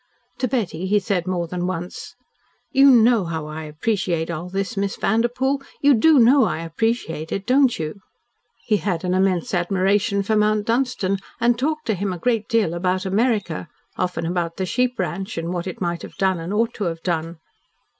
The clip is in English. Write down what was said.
To Betty he said more than once: "You know how I appreciate all this, Miss Vanderpoel. You DO know I appreciate it, don't you?" He had an immense admiration for Mount Dunstan, and talked to him a great deal about America, often about the sheep ranch, and what it might have done and ought to have done.